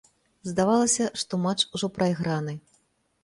Здавалася, што матч ужо прайграны.